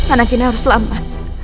anak ini harus selamat